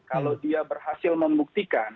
kalau dia berhasil membuktikan